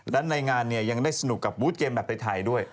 และในงานเนี่ยยังได้สนุกกับบูธเกมแบบไทยด้วย